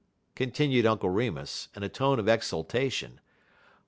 continued Uncle Remus in a tone of exultation.